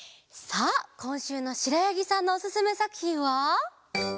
さあこんしゅうのしろやぎさんのおすすめさくひんは。